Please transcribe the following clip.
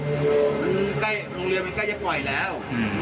มันใกล้โรงเรียนมันใกล้จะปล่อยแล้ว